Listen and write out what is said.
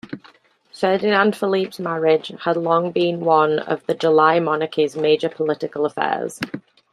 Ferdinand Philippe's marriage had long been one of the July Monarchy's major political affairs.